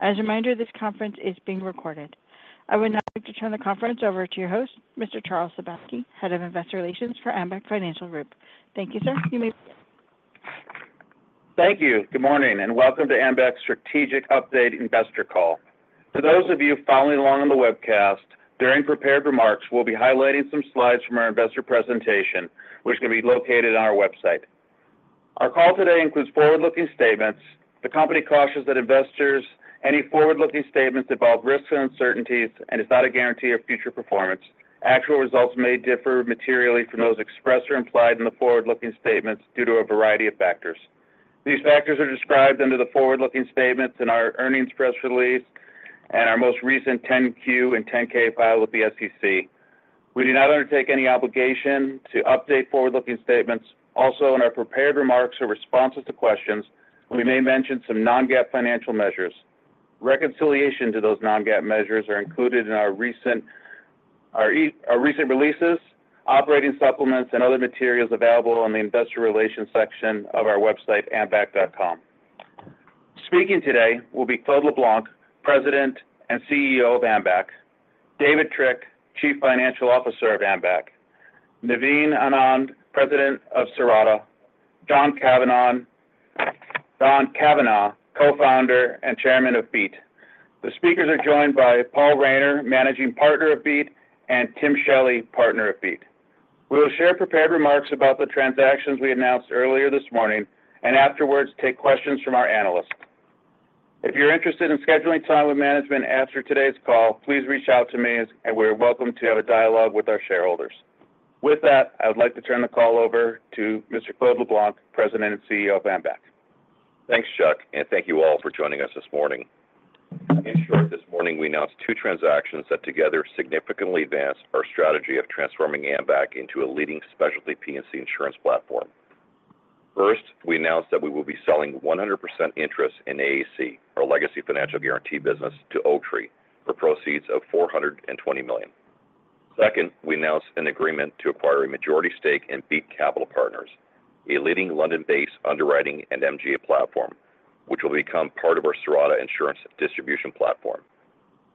As a reminder, this conference is being recorded. I would now like to turn the conference over to your host, Mr. Charles Sebaski, Head of Investor Relations for Ambac Financial Group. Thank you, sir. You may- Thank you. Good morning, and welcome to Ambac's Strategic Update Investor Call. For those of you following along on the webcast, during prepared remarks, we'll be highlighting some slides from our investor presentation, which can be located on our website. Our call today includes forward-looking statements. The company cautions that investors, any forward-looking statements involve risks and uncertainties and is not a guarantee of future performance. Actual results may differ materially from those expressed or implied in the forward-looking statements due to a variety of factors. These factors are described under the forward-looking statements in our earnings press release and our most recent 10-Q and 10-K filings with the SEC. We do not undertake any obligation to update forward-looking statements. Also, in our prepared remarks or responses to questions, we may mention some non-GAAP financial measures. Reconciliation to those non-GAAP measures are included in our recent releases, operating supplements, and other materials available on the investor relations section of our website, ambac.com. Speaking today will be Claude LeBlanc, President and CEO of Ambac, David Trick, Chief Financial Officer of Ambac, Naveen Anand, President of Cirrata, John Cavanagh, Co-founder and Chairman of Beat. The speakers are joined by Paul Rayner, Managing Partner of Beat, and Tim Shelley, Partner of Beat. We will share prepared remarks about the transactions we announced earlier this morning, and afterwards, take questions from our analysts. If you're interested in scheduling time with management after today's call, please reach out to me and we're welcome to have a dialogue with our shareholders. With that, I would like to turn the call over to Mr. Claude LeBlanc, President and CEO of Ambac. Thanks, Chuck, and thank you all for joining us this morning. In short, this morning, we announced two transactions that together significantly advanced our strategy of transforming Ambac into a leading specialty P&C insurance platform. First, we announced that we will be selling 100% interest in AAC, our legacy financial guarantee business, to Oaktree, for proceeds of $420 million. Second, we announced an agreement to acquire a majority stake in Beat Capital Partners, a leading London-based underwriting and MGA platform, which will become part of our Cirrata insurance distribution platform.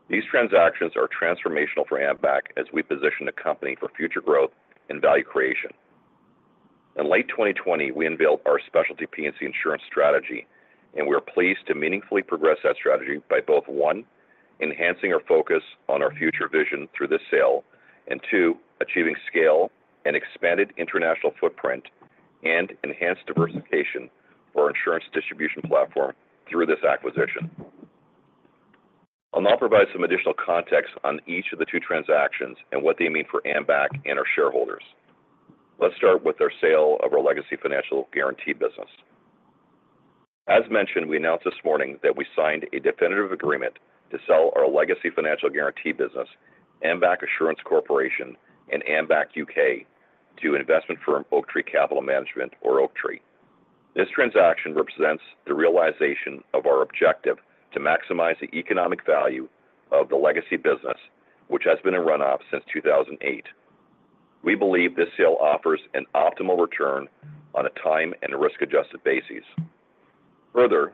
These transactions are transformational for Ambac as we position the company for future growth and value creation. In late 2020, we unveiled our specialty P&C insurance strategy, and we are pleased to meaningfully progress that strategy by both, one, enhancing our focus on our future vision through this sale, and two, achieving scale and expanded international footprint and enhanced diversification for our insurance distribution platform through this acquisition. I'll now provide some additional context on each of the two transactions and what they mean for Ambac and our shareholders. Let's start with our sale of our legacy financial guarantee business. As mentioned, we announced this morning that we signed a definitive agreement to sell our legacy financial guarantee business, Ambac Assurance Corporation and Ambac UK, to investment firm Oaktree Capital Management, or Oaktree. This transaction represents the realization of our objective to maximize the economic value of the legacy business, which has been in run-off since 2008. We believe this sale offers an optimal return on a time and risk-adjusted basis. Further,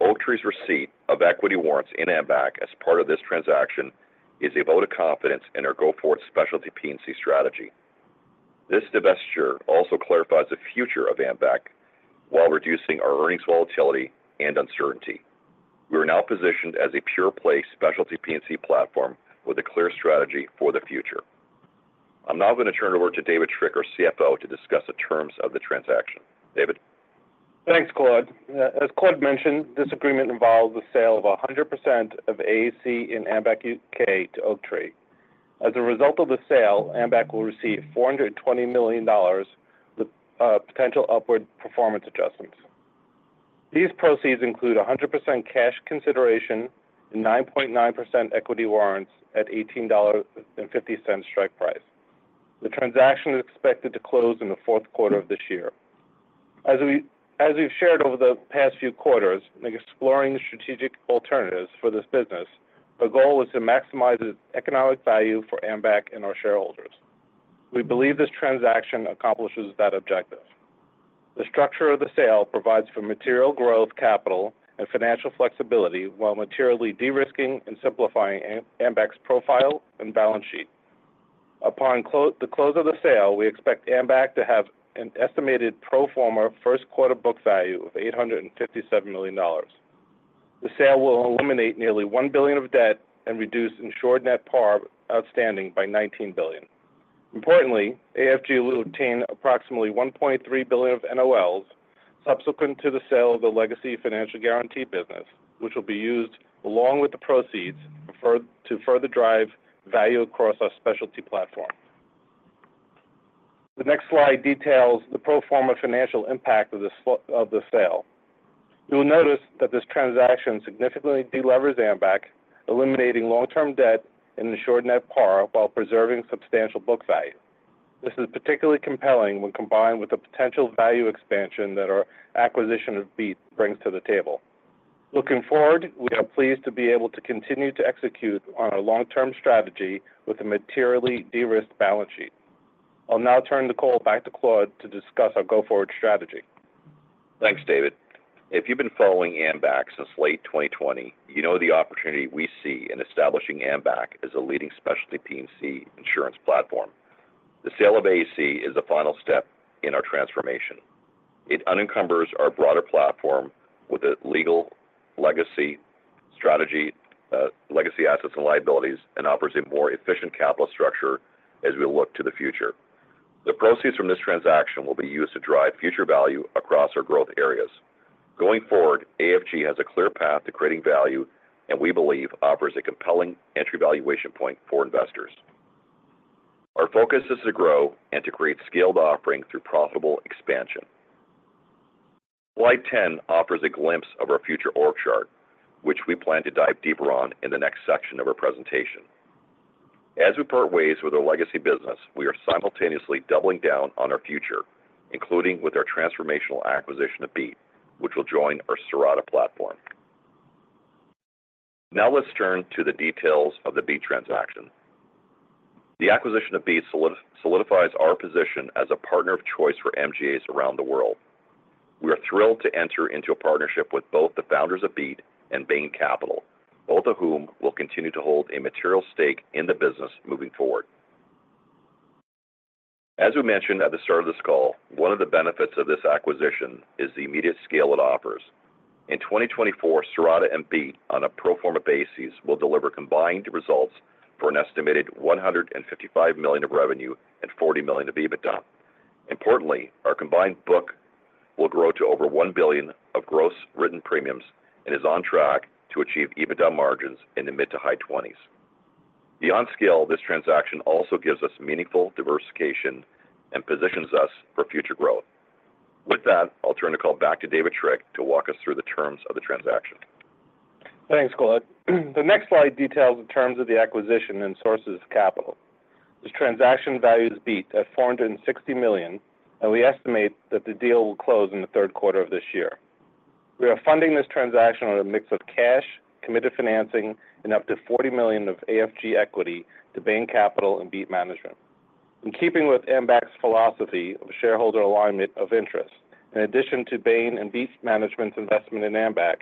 Oaktree's receipt of equity warrants in Ambac as part of this transaction is a vote of confidence in our go-forward specialty P&C strategy. This divestiture also clarifies the future of Ambac while reducing our earnings volatility and uncertainty. We are now positioned as a pure-play specialty P&C platform with a clear strategy for the future. I'm now going to turn it over to David Trick, our CFO, to discuss the terms of the transaction. David? Thanks, Claude. As Claude mentioned, this agreement involves the sale of 100% of AAC and Ambac UK to Oaktree. As a result of the sale, Ambac will receive $420 million with potential upward performance adjustments. These proceeds include 100% cash consideration and 9.9% equity warrants at $18.50 strike price. The transaction is expected to close in the fourth quarter of this year. As we've shared over the past few quarters, in exploring strategic alternatives for this business, the goal is to maximize its economic value for Ambac and our shareholders. We believe this transaction accomplishes that objective. The structure of the sale provides for material growth, capital, and financial flexibility, while materially de-risking and simplifying Ambac's profile and balance sheet. Upon the close of the sale, we expect Ambac to have an estimated pro forma first quarter book value of $857 million. The sale will eliminate nearly $1 billion of debt and reduce insured net par outstanding by $19 billion. Importantly, AFG will obtain approximately $1.3 billion of NOLs subsequent to the sale of the legacy financial guarantee business, which will be used along with the proceeds to further drive value across our specialty platform. The next slide details the pro forma financial impact of the sale. You'll notice that this transaction significantly de-levers Ambac, eliminating long-term debt and insured net par while preserving substantial book value. This is particularly compelling when combined with the potential value expansion that our acquisition of Beat brings to the table. Looking forward, we are pleased to be able to continue to execute on our long-term strategy with a materially de-risked balance sheet. I'll now turn the call back to Claude to discuss our go-forward strategy. Thanks, David. If you've been following Ambac since late 2020, you know the opportunity we see in establishing Ambac as a leading specialty P&C insurance platform. The sale of AAC is the final step in our transformation. It unencumbers our broader platform with a legal legacy strategy, legacy assets and liabilities, and offers a more efficient capital structure as we look to the future. The proceeds from this transaction will be used to drive future value across our growth areas. Going forward, AFG has a clear path to creating value, and we believe offers a compelling entry valuation point for investors. Our focus is to grow and to create scaled offering through profitable expansion. Slide 10 offers a glimpse of our future org chart, which we plan to dive deeper on in the next section of our presentation. As we part ways with our legacy business, we are simultaneously doubling down on our future, including with our transformational acquisition of Beat, which will join our Cirrata platform. Now, let's turn to the details of the Beat transaction. The acquisition of Beat solidifies our position as a partner of choice for MGAs around the world. We are thrilled to enter into a partnership with both the founders of Beat and Bain Capital, both of whom will continue to hold a material stake in the business moving forward. As we mentioned at the start of this call, one of the benefits of this acquisition is the immediate scale it offers. In 2024, Cirrata and Beat, on a pro forma basis, will deliver combined results for an estimated $155 million of revenue and $40 million of EBITDA. Importantly, our combined book will grow to over $1 billion of gross written premiums and is on track to achieve EBITDA margins in the mid- to high 20s. Beyond scale, this transaction also gives us meaningful diversification and positions us for future growth. With that, I'll turn the call back to David Trick to walk us through the terms of the transaction. Thanks, Claude. The next slide details the terms of the acquisition and sources of capital. This transaction values Beat at $460 million, and we estimate that the deal will close in the third quarter of this year. We are funding this transaction with a mix of cash, committed financing, and up to $40 million of AFG equity to Bain Capital and Beat management. In keeping with Ambac's philosophy of shareholder alignment of interest, in addition to Bain and Beat management's investment in Ambac,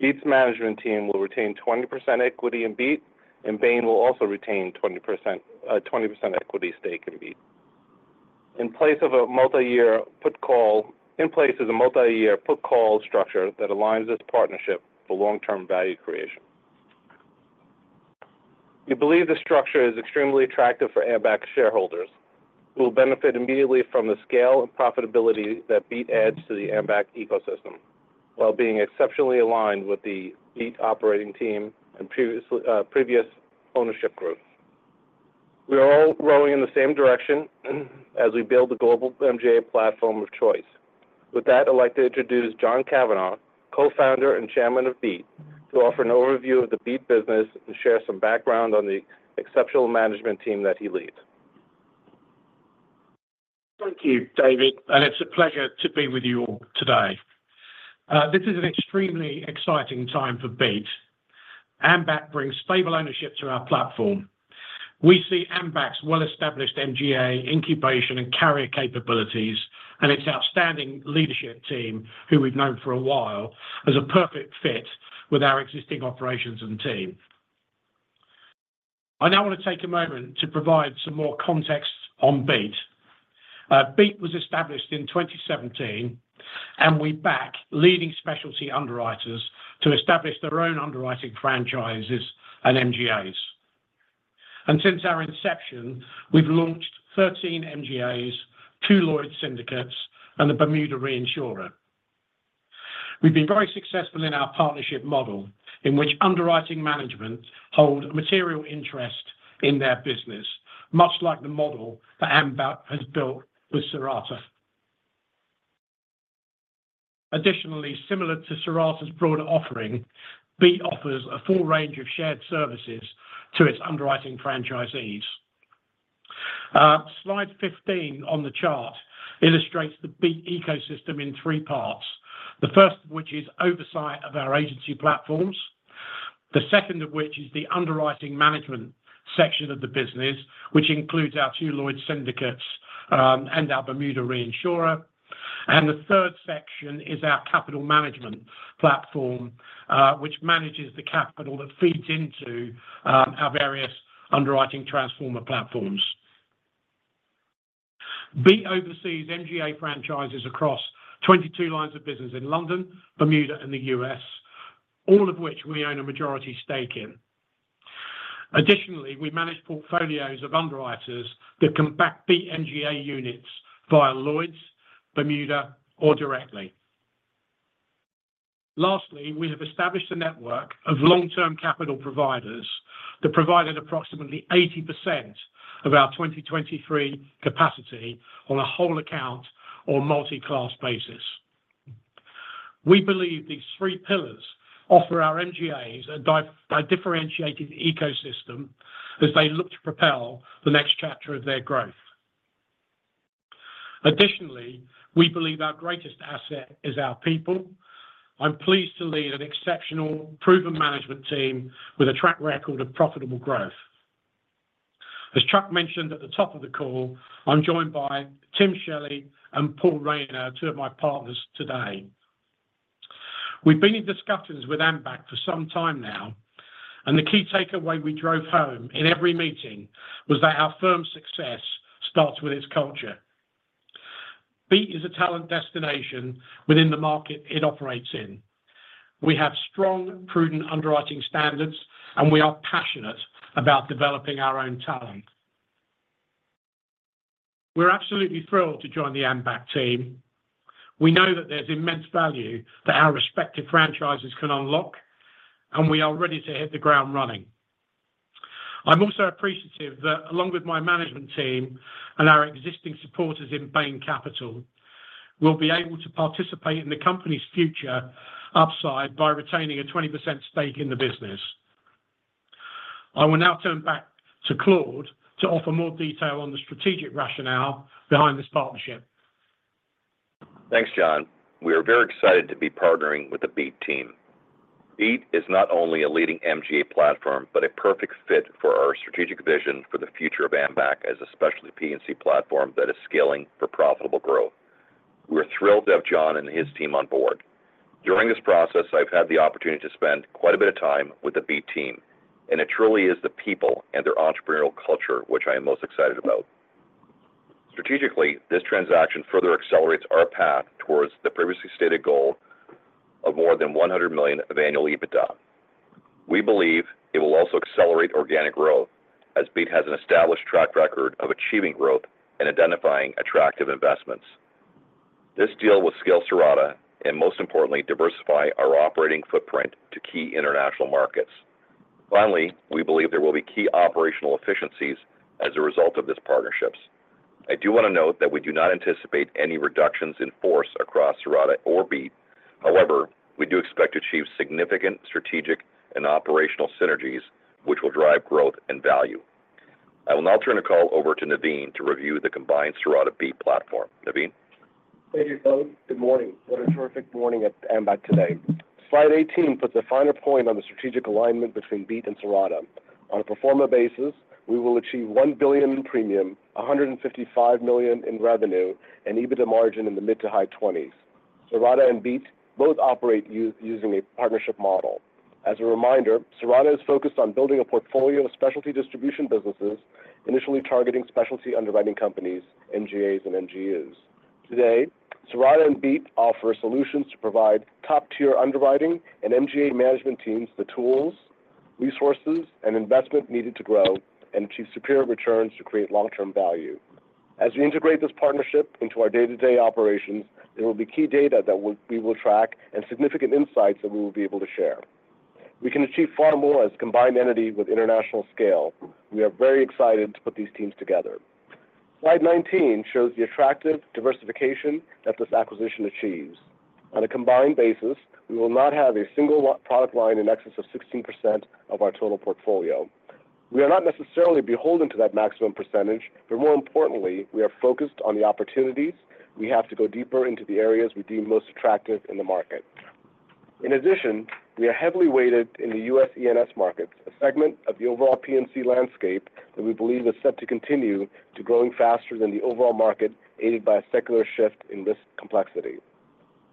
Beat management team will retain 20% equity in Beat, and Bain will also retain 20% equity stake in Beat. In place is a multi-year put call structure that aligns this partnership for long-term value creation. We believe this structure is extremely attractive for Ambac shareholders, who will benefit immediately from the scale and profitability that Beat adds to the Ambac ecosystem, while being exceptionally aligned with the Beat operating team and previous ownership group. We are all rowing in the same direction as we build the global MGA platform of choice. With that, I'd like to introduce John Cavanagh, Co-founder and Chairman of Beat, to offer an overview of the Beat business and share some background on the exceptional management team that he leads. Thank you, David, and it's a pleasure to be with you all today. This is an extremely exciting time for Beat. Ambac brings stable ownership to our platform. We see Ambac's well-established MGA incubation and carrier capabilities and its outstanding leadership team, who we've known for a while, as a perfect fit with our existing operations and team. I now want to take a moment to provide some more context on Beat. Beat was established in 2017, and we back leading specialty underwriters to establish their own underwriting franchises and MGAs. Since our inception, we've launched 13 MGAs, 2 Lloyd's syndicates, and a Bermuda reinsurer. We've been very successful in our partnership model, in which underwriting management hold a material interest in their business, much like the model that Ambac has built with Cirrata. Additionally, similar to Cirrata's broader offering, Beat offers a full range of shared services to its underwriting franchisees. Slide 15 on the chart illustrates the Beat ecosystem in three parts, the first of which is oversight of our agency platforms, the second of which is the underwriting management section of the business, which includes our two Lloyd's syndicates, and our Bermuda reinsurer, and the third section is our capital management platform, which manages the capital that feeds into our various underwriting transformer platforms. Beat oversees MGA franchises across 22 lines of business in London, Bermuda, and the US, all of which we own a majority stake in. Additionally, we manage portfolios of underwriters that can back Beat MGA units via Lloyd's, Bermuda, or directly. Lastly, we have established a network of long-term capital providers that provided approximately 80% of our 2023 capacity on a whole account or multi-class basis. We believe these three pillars offer our MGAs a differentiated ecosystem as they look to propel the next chapter of their growth. Additionally, we believe our greatest asset is our people. I'm pleased to lead an exceptional, proven management team with a track record of profitable growth. As Chuck mentioned at the top of the call, I'm joined by Tim Shelley and Paul Rayner, two of my partners today. We've been in discussions with Ambac for some time now, and the key takeaway we drove home in every meeting was that our firm's success starts with its culture. Beat is a talent destination within the market it operates in. We have strong, prudent underwriting standards, and we are passionate about developing our own talent. We're absolutely thrilled to join the Ambac team. We know that there's immense value that our respective franchises can unlock, and we are ready to hit the ground running. I'm also appreciative that along with my management team and our existing supporters in Bain Capital, we'll be able to participate in the company's future upside by retaining a 20% stake in the business. I will now turn back to Claude to offer more detail on the strategic rationale behind this partnership. Thanks, John. We are very excited to be partnering with the Beat team. Beat is not only a leading MGA platform, but a perfect fit for our strategic vision for the future of Ambac as a specialty P&C platform that is scaling for profitable growth. We're thrilled to have John and his team on board. During this process, I've had the opportunity to spend quite a bit of time with the Beat team, and it truly is the people and their entrepreneurial culture, which I am most excited about. Strategically, this transaction further accelerates our path towards the previously stated goal of more than $100 million of annual EBITDA. We believe it will also accelerate organic growth as Beat has an established track record of achieving growth and identifying attractive investments. This deal will scale Cirrata and most importantly, diversify our operating footprint to key international markets. Finally, we believe there will be key operational efficiencies as a result of this partnership. I do want to note that we do not anticipate any reductions in force across Cirrata or Beat. However, we do expect to achieve significant strategic and operational synergies, which will drive growth and value. I will now turn the call over to Naveen to review the combined Cirrata Beat platform. Naveen? Thank you, both. Good morning. What a terrific morning at Ambac today. Slide 18 puts a finer point on the strategic alignment between Beat and Cirrata. On a pro forma basis, we will achieve $1 billion in premium, $155 million in revenue, and EBITDA margin in the mid- to high 20s%. Cirrata and Beat both operate using a partnership model. As a reminder, Cirrata is focused on building a portfolio of specialty distribution businesses, initially targeting specialty underwriting companies, MGAs, and MGUs. Today, Cirrata and Beat offer solutions to provide top-tier underwriting and MGA management teams, the tools, resources, and investment needed to grow and achieve superior returns to create long-term value. As we integrate this partnership into our day-to-day operations, there will be key data that we will track and significant insights that we will be able to share. We can achieve far more as a combined entity with international scale. We are very excited to put these teams together. Slide 19 shows the attractive diversification that this acquisition achieves. On a combined basis, we will not have a single product line in excess of 16% of our total portfolio. We are not necessarily beholden to that maximum percentage, but more importantly, we are focused on the opportunities we have to go deeper into the areas we deem most attractive in the market. In addition, we are heavily weighted in the U.S. E&S markets, a segment of the overall P&C landscape that we believe is set to continue to growing faster than the overall market, aided by a secular shift in risk complexity.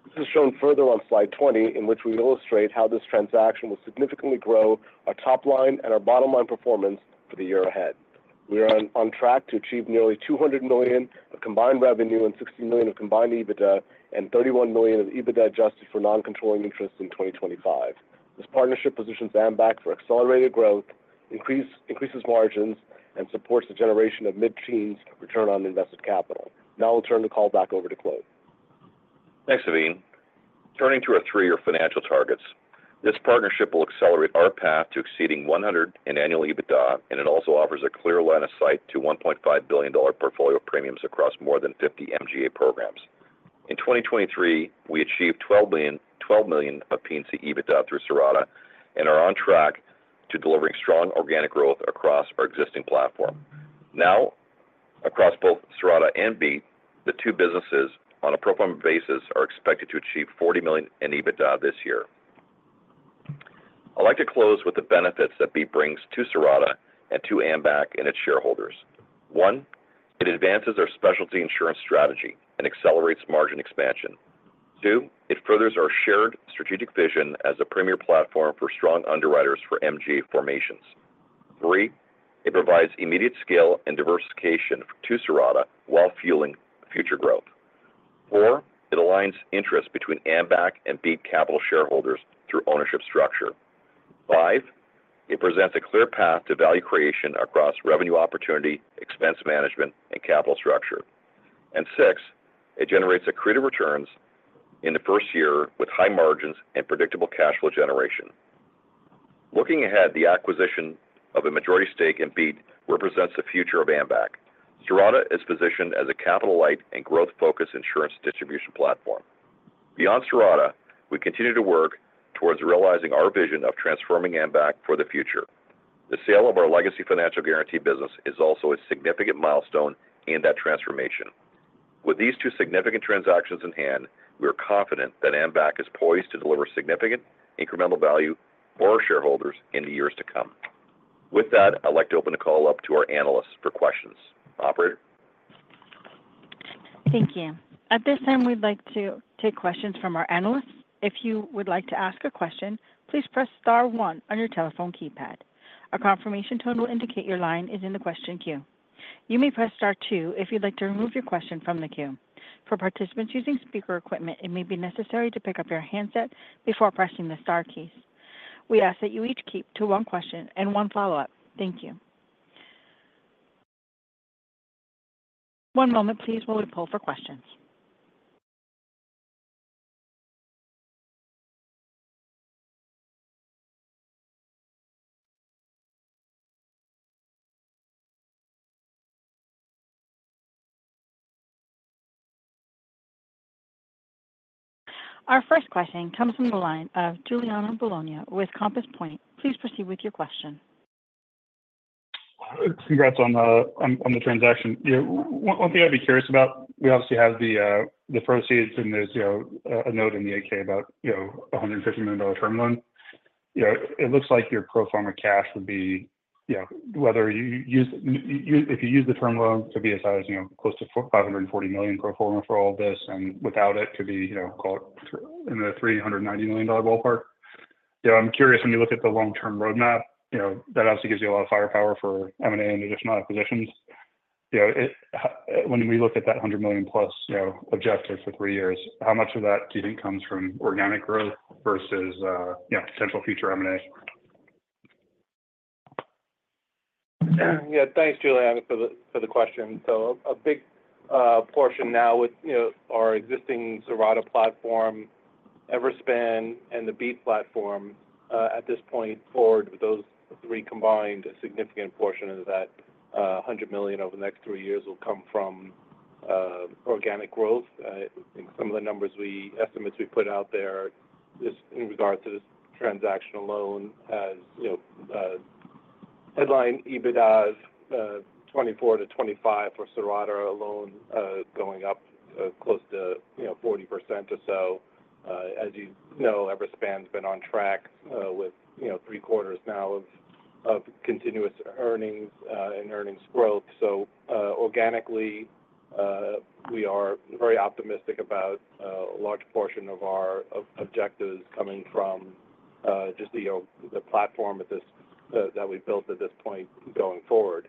This is shown further on slide 20, in which we illustrate how this transaction will significantly grow our top line and our bottom line performance for the year ahead. We are on track to achieve nearly $200 million of combined revenue and $60 million of combined EBITDA and $31 million of EBITDA adjusted for non-controlling interest in 2025. This partnership positions Ambac for accelerated growth, increases margins, and supports the generation of mid-teens return on invested capital. Now I'll turn the call back over to Claude. Thanks, Naveen. Turning to our three-year financial targets, this partnership will accelerate our path to exceeding $100 in annual EBITDA, and it also offers a clear line of sight to $1.5 billion portfolio of premiums across more than 50 MGA programs. In 2023, we achieved $12 million of P&C EBITDA through Cirrata and are on track to delivering strong organic growth across our existing platform. Now, across both Cirrata and Beat, the two businesses on a pro forma basis, are expected to achieve $40 million in EBITDA this year. I'd like to close with the benefits that Beat brings to Cirrata and to Ambac and its shareholders. 1, it advances our specialty insurance strategy and accelerates margin expansion. 2, it furthers our shared strategic vision as a premier platform for strong underwriters for MGA formations. Three, it provides immediate scale and diversification to Cirrata while fueling future growth. Four, it aligns interest between Ambac and Beat Capital shareholders through ownership structure. Five, it presents a clear path to value creation across revenue opportunity, expense management, and capital structure. And six, it generates accretive returns in the first year with high margins and predictable cash flow generation. Looking ahead, the acquisition of a majority stake in Beat represents the future of Ambac. Cirrata is positioned as a capital-light and growth-focused insurance distribution platform. Beyond Cirrata, we continue to work towards realizing our vision of transforming Ambac for the future. The sale of our legacy financial guarantee business is also a significant milestone in that transformation. With these two significant transactions in hand, we are confident that Ambac is poised to deliver significant incremental value for our shareholders in the years to come. With that, I'd like to open the call up to our analysts for questions. Operator? Thank you. At this time, we'd like to take questions from our analysts. If you would like to ask a question, please press star one on your telephone keypad. A confirmation tone will indicate your line is in the question queue. You may press star two if you'd like to remove your question from the queue. For participants using speaker equipment, it may be necessary to pick up your handset before pressing the star keys. We ask that you each keep to one question and one follow-up. Thank you. One moment, please, while we pull for questions. Our first question comes from the line of Giuliano Bologna with Compass Point. Please proceed with your question. Congrats on the transaction. You know, one thing I'd be curious about, we obviously have the proceeds, and there's, you know, a note in the 10-K about, you know, a $150 million term loan. You know, it looks like your pro forma cash would be, you know, whether you use, if you use the term loan to be as high as, you know, close to $450 million pro forma for all this, and without it to be, you know, call it in the $390 million ballpark. You know, I'm curious, when you look at the long-term roadmap, you know, that obviously gives you a lot of firepower for M&A and additional acquisitions. You know, when we look at that $100 million+, you know, objectives for three years, how much of that do you think comes from organic growth versus, you know, potential future M&A? Yeah. Thanks, Giuliano, for the question. So a big portion now with, you know, our existing Cirrata platform, Everspan, and the Beat platform, at this point forward, with those three combined, a significant portion of that $100 million over the next three years will come from organic growth. I think some of the numbers estimates we put out there, just in regard to this transaction alone, as you know, headline EBITDA is $24-$25 million for Cirrata alone, going up close to, you know, 40% or so. As you know, Everspan's been on track with three quarters now of continuous earnings and earnings growth. So, organically, we are very optimistic about a large portion of our objectives coming from just the, you know, the platform at this point that we've built at this point going forward.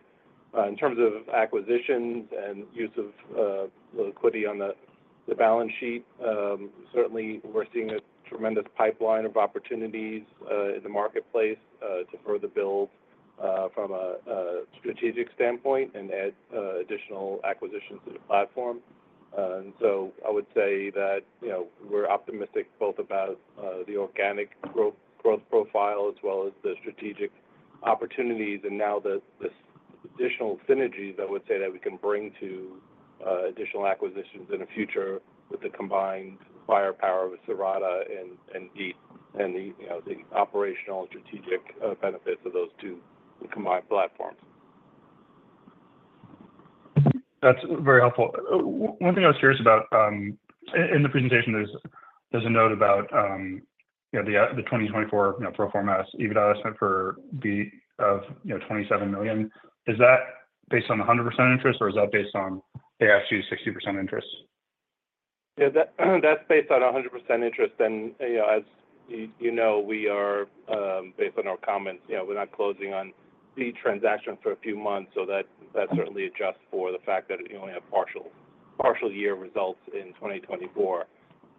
In terms of acquisitions and use of liquidity on the balance sheet, certainly we're seeing a tremendous pipeline of opportunities in the marketplace to further build from a strategic standpoint and add additional acquisitions to the platform. And so I would say that, you know, we're optimistic both about the organic growth profile as well as the strategic opportunities. And now this additional synergies I would say that we can bring to additional acquisitions in the future with the combined firepower with Cirrata and and Beat and the you know the operational and strategic benefits of those two combined platforms. That's very helpful. One thing I was curious about, in the presentation, there's a note about, you know, the 2024 pro forma EBITDA estimate for the of, you know, $27 million. Is that based on the 100% interest, or is that based on the AFG 60% interest? Yeah, that, that's based on 100% interest. And, as you, you know, we are, based on our comments, you know, we're not closing on the transaction for a few months, so that certainly adjusts for the fact that you only have partial, partial year results in 2024.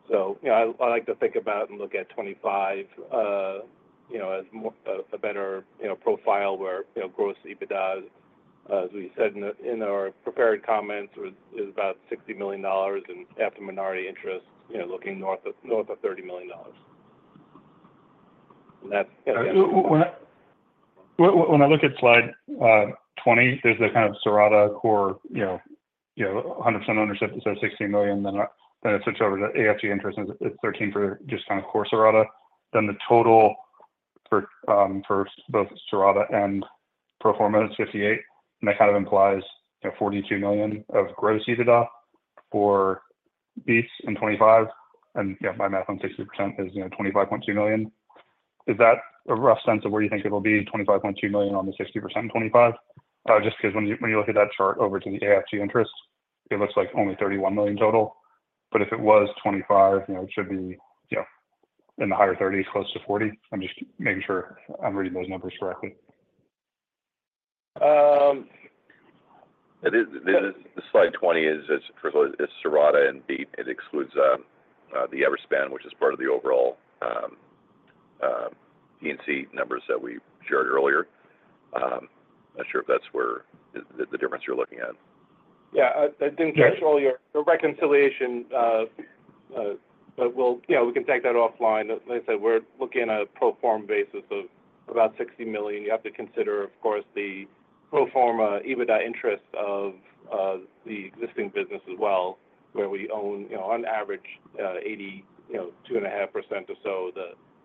So, you know, I, I like to think about and look at 2025, you know, as more-- a better, you know, profile where, you know, gross EBITDA, as we said in the-- in our prepared comments, was, is about $60 million, and after minority interest, you know, looking north of, north of $30 million. And that's, yeah- When I look at slide 20, there's the kind of Cirrata core, you know, you know, 100% ownership, so $60 million, then it switch over to the AFG interest, and it's $13 million for just kind of core Cirrata. Then the total for both Cirrata and pro forma is $58 million, and that kind of implies, you know, $42 million of gross EBITDA for Beat in 2025. Yeah, my math on 60% is, you know, $25.2 million. Is that a rough sense of where you think it'll be, $25.2 million on the 60% in 2025? Just 'cause when you look at that chart over to the AFG interest, it looks like only $31 million total. But if it was 25, you know, it should be, you know, in the higher 30s, close to 40. I'm just making sure I'm reading those numbers correctly. Um. It is the slide 20. It's Cirrata and Beat. It excludes the Everspan, which is part of the overall P&C numbers that we shared earlier. Not sure if that's where the difference you're looking at. Yeah. I think actually your, the reconciliation, well, you know, we can take that offline. As I said, we're looking at a pro forma basis of about $60 million. You have to consider, of course, the pro forma EBITDA interest of the existing business as well, where we own, you know, on average, 82.5% or so,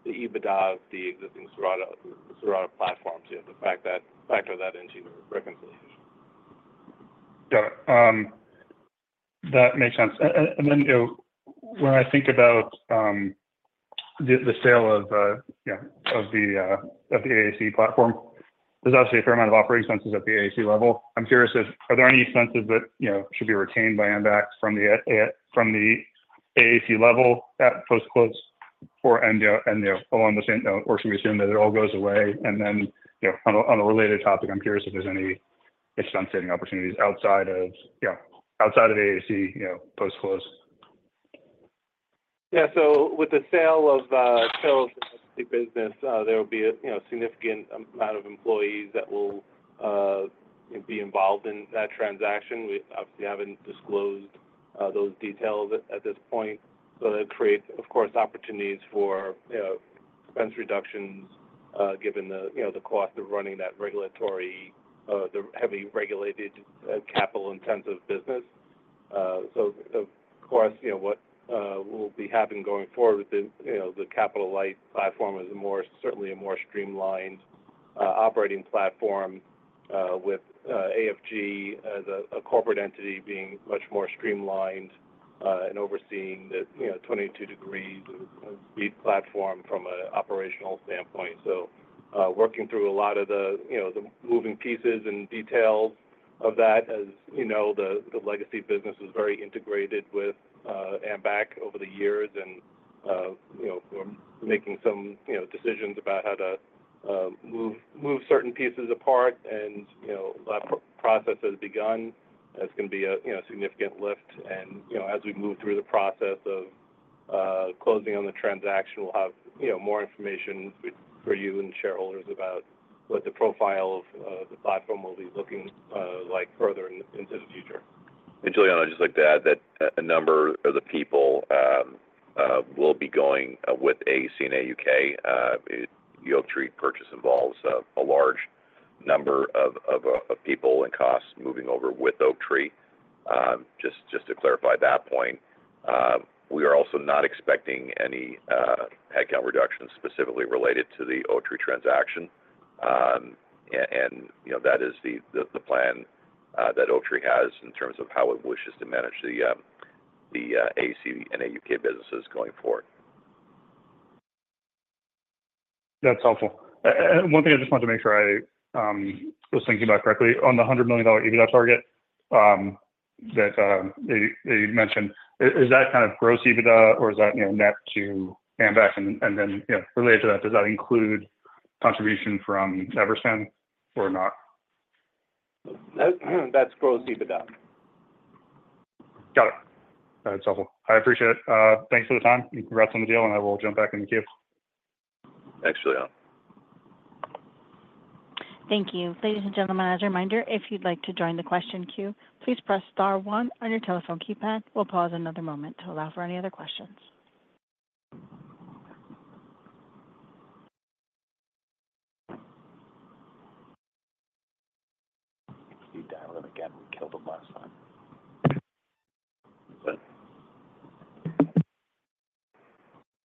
the EBITDA of the existing Cirrata platforms. Yeah, the fact that factor that into the reconciliation. Got it. That makes sense. And then, you know, when I think about the sale of the AAC platform, there's obviously a fair amount of operating expenses at the AAC level. I'm curious if are there any expenses that, you know, should be retained by Ambac from the AAC level at post-close, and along the same note, or should we assume that it all goes away? And then, you know, on a related topic, I'm curious if there's any expense saving opportunities outside of AAC post-close. Yeah. So with the sale of, sale of the business, there will be a, you know, significant amount of employees that will be involved in that transaction. We obviously haven't disclosed those details at this point, but it creates, of course, opportunities for, you know, expense reductions, given the, you know, the cost of running that regulatory, the heavily regulated, capital-intensive business. So of course, you know, what will be happening going forward with the, you know, the capital light platform is a more, certainly a more streamlined operating platform, with AFG as a, a corporate entity being much more streamlined, and overseeing the, you know, 22 degree Beat platform from a operational standpoint. So, working through a lot of the, you know, the moving pieces and details of that. As you know, the legacy business was very integrated with Ambac over the years and, you know, we're making some, you know, decisions about how to move certain pieces apart. And, you know, that process has begun. That's going to be a, you know, significant lift. And, you know, as we move through the process of closing on the transaction, we'll have, you know, more information with for you and shareholders about what the profile of the platform will be looking like further into the future. And Giuliano, I'd just like to add that a number of the people will be going with AAC and AUK. The Oaktree purchase involves a large number of people and costs moving over with Oaktree. Just to clarify that point, we are also not expecting any headcount reductions specifically related to the Oaktree transaction. And, you know, that is the plan that Oaktree has in terms of how it wishes to manage the AAC and AUK businesses going forward. That's helpful. And one thing I just wanted to make sure I was thinking about correctly. On the $100 million EBITDA target that you mentioned, is that kind of gross EBITDA or is that, you know, net to Ambac? And then, you know, related to that, does that include contribution from Everspan or not? That's gross EBITDA. Got it. That's helpful. I appreciate it. Thanks for the time. Congrats on the deal, and I will jump back in the queue. Thanks, Giuliano. Thank you. Ladies and gentlemen, as a reminder, if you'd like to join the question queue, please press star one on your telephone keypad. We'll pause another moment to allow for any other questions. Can you dial in again? We killed him last time.